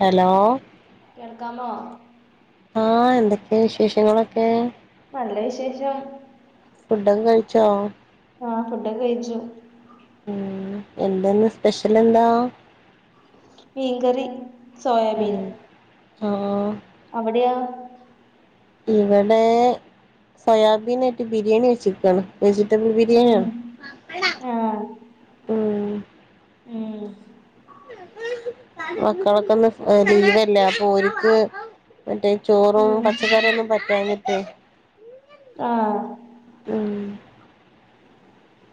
Hello. കേൾക്കാമോ? ആഹ് എന്തൊക്കെ വിശേഷങ്ങളൊക്കെ? നല്ല വിശേഷം. ഫുഡൊക്കെകഴിച്ചോ? ആഹ് ഫുഡൊക്കെ കഴിച്ചു. [inaudible] ഉം എന്തെന്ന് സ്പെഷ്യലെന്താ? മീൻകറി ഉം സോയാബീൻ. ആഹ്. അവിടയോ? ഇവടെ സോയാബീനേറ്റ് ബിരിയേണി വെച്ച്ക്കാണ് വെജിറ്റബിൾ ഉം ബിരിയാണ്. ആഹ് ഉം ഉം. മക്കളൊക്കെ ഒന്ന് ലീവല്ലേ അപ്പൊല്ക്ക് മറ്റേ. ചോറും ഉം പച്ചക്കറിയൊന്നും പറ്റാഞ്ഞിട്ട്. ആഹ്. ഉം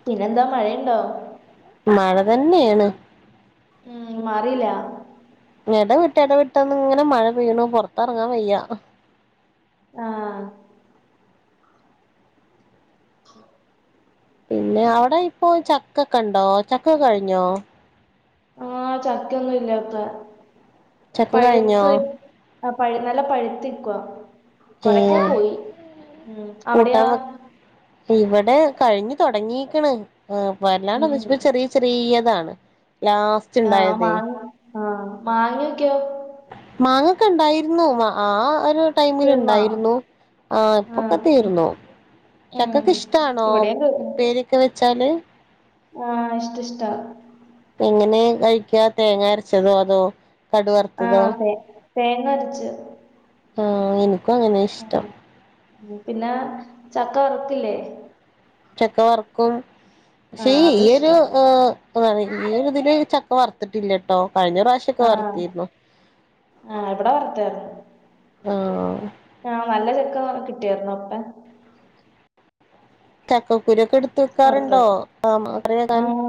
പിന്നെന്താ മഴയുണ്ടോ? മഴ തന്നേണ്. ഉം മാറില്ല. എടവ്ട്ട് എടവ്ട്ടാണ്ടിങ്ങനെ മഴ പെയ്യണ് പൊറത്തറങ്ങാൻ വയ്യ. ആഹ്. പിന്നെ അവിടെ ഇപ്പോ ചക്കൊക്കെണ്ടോ ചക്കെ കഴിഞ്ഞോ? ആഹ് ചക്കൊന്നില്ലച ചക്ക കഴിഞ്ഞോ പഴുത്ത്. ആ പഴ് നല്ല പഴ്ത്തിക്കുവാ കൊറെക്കെ ഉം പോയി ഉം അവ്ടെയാ? ഇവടെ കഴിഞ്ഞ് തൊടങ്ങീക്ക്ണ് പോ ഉം [unintelligible] ചെറി ചെറിയതാണ് ലാസ്റ്റ് ആഹ് ഇണ്ടായതേ മാ ആഹ് മാങ്ങയ്ക്കൊ? മാങ്ങക്കെ ഇണ്ടായിരുന്നു ആ ഒരു. തീർന്നോ ടൈമിലിണ്ടായിരുന്നു ഇ ആഹ് പ്പക്കെതീർന്നു. ഉം ചക്കഒക്കെ ഷ്ടാണോ ഇവിടെയും ഉപ്പേര്യോക്കെ വെച്ചാല്. ആഹ് ഇഷ്ടിഷ്ടാ. എങ്ങനെ കഴിക്ക തേങ്ങ അരച്ചതോ അതോ. കടു വറുത്തതോ ആഹ് തേ തേങ്ങ അര്ച്ച്. ആഹ് ഇനിക്കു ഉം അങ്ങനെയഷ്ടം ഉം പിന്നെ ചക്ക വറക്കില്ലേ?. ചക്ക വറക്കും ആ പക്ഷേ അതും ഈയൊരു ഇഷ്ടാ ഏ. ഈയി രിതില് ചക്ക വറത്തിട്ടില്ലട്ടോ കഴിഞ്ഞറാഷ് ചക ആ വർത്തിര്ന്നു ആ ഇവിടെ ആഹ്. ആഹ് നല്ല ചെക്ക കിട്ടിയയാർന്നു അപ്പ. ചക്കക്കുരു ഒക്കെട്ത്ത് വെക്കാറുണ്ടോ? വറുത്തായിരുന്നു [unintelligible]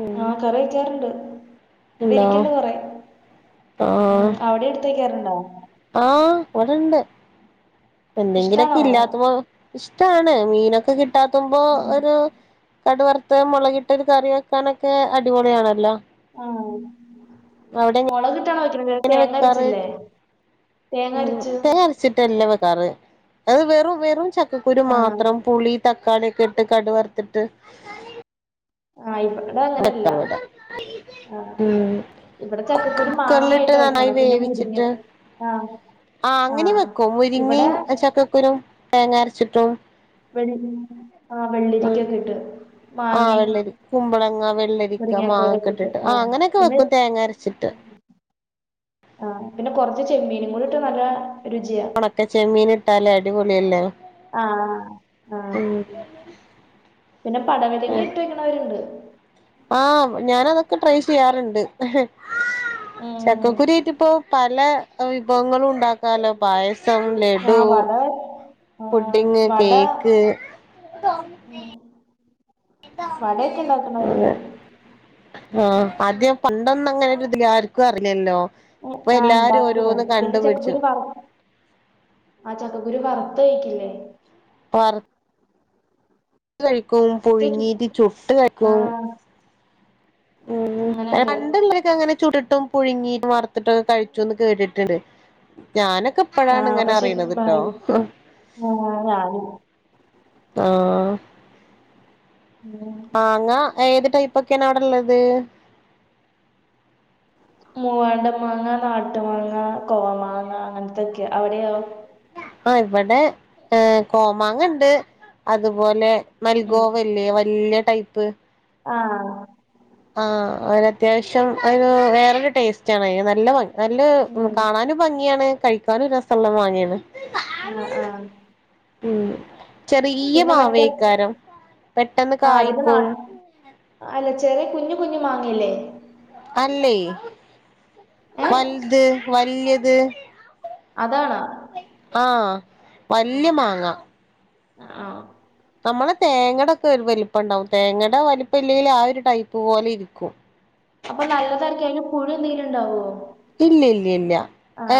ഉം ആഹ് കറിവെക്കാറ്ണ്ട് വ്ടെരിക്ക്ണ്ട് കൊറെ. ആ ഉം അവിടെ എട്തുവെക്കാറുണ്ടോ? ആഹ് ഇവിട്ണ്ട്. എന്തെങ്കിലൊക്കെ ഇഷ്ടാണോ ഇല്ലാത്തപോ ഇഷ്ടാണ് മീനൊക്കെ കിട്ടാത്തുമ്പോ ഉം ഒരു. കടുവർത്തെ മുളകിട്ടൊരു കറി വെക്കാനൊക്കെ അടിപൊളിയാണല്ലോ? ആഹ് അവിടെ മുളക് [unintelligible] എങ്ങനെ വെക്കാറ് തേങ്ങർചില്ലേ തേങ്ങര്ച്ച്. വച്ചിട്ടല്ലാം വെക്കാറ് അത് വെറും വെറും ചക്കകുരു ആ മാത്രം പുളി തക് കാളിയൊക്കെ ഇട്ട് കടു വറുത്തിട്ട് ഹ ഇവടെ അങ്ങനെയല്ല വെക്കാ ഇവിടെ ആഹ ഉം ഇവിടെ ചക്കക്കുരു കുക്കറിലിട്ട് മാങ്ങായിട്ട് നന്നായി വയ്ക്കണം പിന്നെ മുരിങ്ങിം ആഹ ആഹ അങ്ങനെ വെക്കും മുരിങ്ങയും ചക്കക്കുരും തേങ്ങ അരച്ചിട്ടും വെൾ ആ വെള്ളിരിക്കൊക്കെ ഇട്ട് ആഹ മാങ്ങയും വെള്ളരി കുമ്പളങ്ങ വെള്ളരിക്ക മാങ്ങൊക്കെ മുരിങ്ങക്കോലൊക്കെ ഇട്ട് ഇട്ടിട്ട് ആ അങ്ങനൊക്കെ പിന്നെ വെക്കും തേങ്ങ അരച്ചിട്ട്. [inaudible] ആ പിന്നെ കുറച്ച് ചെമ്മീനും കൂടിട്ട് നല്ല രുചിയാ മറ്റെ ചെമ്മീൻ ഇട്ടാലേ അടിപൊളിയല്ലേ? ആ ആ ഉം പിന്നെ പടവലങ്ങ ഇട്ട് വെക്കണവരുണ്ട്. ആ ഞാനതൊക്കെ ട്രൈയ്യ് ചെയ്യാറുണ്ട്. മ് ചക്കക്കുരുയിട്ട് ഇപ്പോ പല വിഭവങ്ങളും ഉണ്ടാക്കാലോ പായ സം ആ ലഡു, വട ആ പുഡിങ്, വട കേക്ക് ഉം വടയൊക്കെ ഉണ്ടാക്കണവരുണ്ട് [unintelligible] ആ ആദ്യം പണ്ടൊന്ന അങ്ങനൊ ഒരു ഇതില് ആർക്കും അറില്ലല്ലോ ആ ഇണ്ടാക്കൂലെ പിന്നെ ചക്കകുരു വറ ആ ചക്കക്കുരു വറുത്ത് കൈക്കൂലേ? വർ കഴിക്കും ത്ത് ചു പുഴുങ്ങീട്ട് ചുട്ട് ആ കഴിക്കും. ഉം അങ്ങനെയൊക്കെ പണ്ടുള്ള് അങ്ങനെ ചുടിട്ടും പുഴുങ്ങിയിട്ട് വറത്തിട്ടൊക്കെ കഴിച്ചുന്ന് കേട്ടിട്ടുണ്ട് ഞാനൊക്കെ ആ ഇപ്പോഴാണ് ഇങ്ങനെ പക്ഷെ അറിയിണത് ഇപ്പ ട്ടോ [unintelligible] ഞാനും ആ ഉം മാങ്ങ ഏത് ടൈപ്പ് ഒക്കെയാണ് അവിടെ ഉള്ളത്? മൂവാണ്ട മാങ്ങ, നാട്ടു മാങ്ങ, കോ മാങ്ങ, അങ്ങനത്തൊക്കെയ അവിടെയാ ആ ഇവടെ കോമാങ്ങ ഉണ്ട് അതുപോലെ ഉം മൽഗോവല്ലേ വല്ല്യ ടൈപ്പ് ആ ആ അതിന് അത്യാവശ്യം അയിന് വേറൊരു ടേസ്റ്റ് ആണ് അയിന് നല്ല ഭം നല്ല ഉം കാണാനും ഭംഗിയാണ് കഴിക്കാനും രസള്ള മാങ്ങയാണ്. ആ ആ ഉം ചെറിയ പിന്നെ മറ്റേ മാവയ്ക്കാരം പെട്ടെന്ന് ആ അതിന്റെ നാ കായിക്കും. അല്ല ചെറിയ കുഞ്ഞു കുഞ്ഞ് മാങ്ങയില്ലേ അല്ലേ ഏ വല്ത് വല്ല്യത് അതാണോ ആഹ് വല്യ മാങ്ങ ആഹ് നമ്മള തേങ്ങയുടെക്കെ വലിപ്പം ഉണ്ടാവും തേങ്ങയുടെ വലിപ്പം ഇല്ലെങ്കിൽ ആ ഒരു ടൈപ്പ് പോലെ ഇരിക്കും അപ്പൊ നല്ലതായിരിക്കും അയില് പുഴു എന്തെങ്കിലും ഇണ്ടാവോ ഇല്ല ഇല്ല ഇല്ല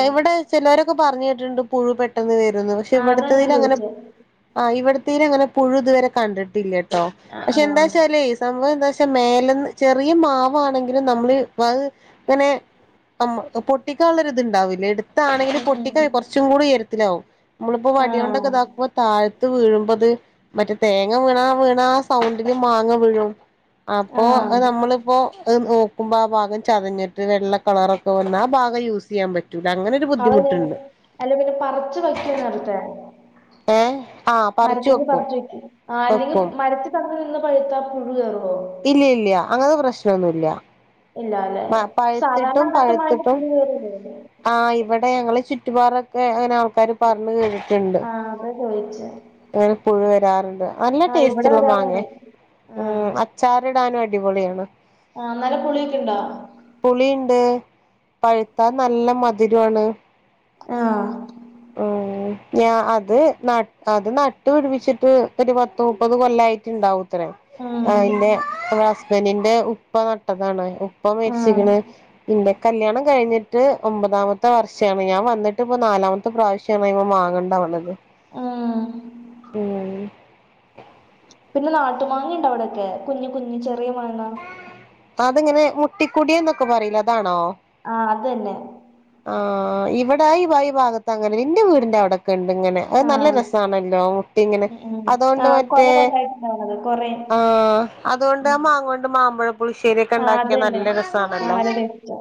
ഇവിടെ ചിലരൊക്കെ പറഞ്ഞ കേടിട്ടുണ്ട് പുഴുപെട്ട പെട്ടെന്ന് വരുന്നു പക്ഷെ ആ അതാ ഞാൻ ഇവിടുത്തെതിൽ അങ്ങനെ ചോദിച്ചേ ആഹ് ഇവിടത്തേലഅങ്ങനെ പുഴു ഇതുവരെ കണ്ടിട്ടില്ലട്ടോ ആ ആ പക്ഷെ എന്താച്ചാലേ സംഭവം എന്താ വെച്ചാൽ മേലന്ന് ചെറിയ മാവ് ആണെങ്കിലും നമ്മള് ഇങ്ങനെ അം പൊട്ടിക്കാള്ള ഒരുത്ണ്ടാവൂല്ലേ എടു താണെങ്കിൽ ഉം പൊട്ടിക്ക ഉം കുറച്ചും കൂടി ഉയരത്തിലാവും നമ്മളിപ്പോൾ ആ വടി കൊണ്ടൊക്കെ ഇത അപ്പൊ താഴത്ത് വീഴുമ്പത് മറ്റേ തേങ്ങ വീണാ വീണാ സൗണ്ടില് മാങ്ങ വീഴും അപ്പോ അത് ആ നമ്മളിപ്പോ നോക്കുമ്പോ ആ ഭാഗം ചതഞ്ഞിട്ട് വെള്ള കളറ [unintelligible] യൂസ് ചെയ്യാൻ പറ്റ് [unintelligible] അലുമിനിയം പറിച്ച് വയ്ക്കുവാ നേരത്തെ ഏ ആ പറിച്ചു മരത്തിന്ന് പറിച്ച് വെക്കും ആഹ് അല്ലെങ്കി വെക്കും മരത്തി [unintelligible] പഴുത്താ പുഴു കയറോ ഇല്ലി ഇല്യാ അങ്ങനത്തെ പ്രശ്നമൊന്നുല്ലാ ഇല്ലാല്ലേ സാധാരണ അങ്ങനത്തെ മാങ്ങക്ക് [unintelligible] ആഹ് ഇവടെ ഞങ്ങളെ ചുറ്റുഭാഗൊക്കെ അങ്ങനെ ആൾക്കാര് പറഞ്ഞു കേട്ടുണ്ട് ആ അതാ ചോദിച്ചേ അങ്ങനെ പുഴു വരാറുണ്ട് നല്ല ആ ടേസ്റ്റ് ഇവിടെ ഉള്ള വരാറുണ്ട് മാങ്ങ ആ അ അച്ചാറിടാനും അടിപൊളിയാണ് ആഹ് നല്ല പുളിയൊക്കെ ഇണ്ടോ പുളീണ്ട് പഴുത്താ നല്ല മധുരാണ് ആഹ് ഓ ഞാ അത് അത് നട്ട് പിടിപ്പിച്ചിട്ട് ഒരു പത്ത് മുപ്പത് കൊല്ലായിട്ടുണ്ടാവും ത്ര ഉം എന്റെ ഹസ്ബന്റിന്റെ ഉപ്പ നട്ടതാണ് ഇപ്പോ ആ മരിച്ചിക്ക്ണ് ഇന്റെ കല്യാണം കഴിഞ്ഞിട്ട് ഒമ്പതാമത്തെ വർഷാണ് ഞാൻ വന്നിട്ട് ഇപ്പ നാലാമത് പ്രാവശ്യാണ് അയ്മെ മാങ്ങേണ്ടാവ്ണത് ഉം ഉം പിന്നെ നാട്ടു മാങ്ങയുണ്ടോ അവിടെയൊക്കെ കുഞ്ഞ് കുഞ്ഞ് ചെറിയ മാങ്ങ അതിങ്ങനെ മുത്തിക്കുടി എന്നൊക്കെ പറീലേ അതാണോ ആഹ് അതന്നെ ആഹ് ഇവിടെ ഈ ഭൈ ഭാഗത്ത് അങ്ങനെ എന്റെ വീടിന്റെ അവിടെക്കെ ഇണ്ട് ഇങ്ങനെ അത് ആ നല്ല രസാണല്ലോ ഊട്ടിങ്ങനെ ഇങ്ങനെ ഉം ഉം ആ അതുകൊണ്ട് കൊല മറ്റേ കൊലായിട്ടുണ്ടാവണത് കൊറേ ആഹ് അതുകൊണ്ട് ഉം ആഹ് മാങ്ങ കൊണ്ട് മാമ്പളപുളിശേരി ഒക്കെ ആ ഇണ്ടാക്കിയാ അതന്നെ നല്ല ആ രസാണല്ലോ നല്ല ടേസ്റ്റാ